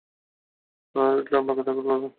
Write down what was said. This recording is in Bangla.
রিডলার আপনাকে টার্গেট করবে না।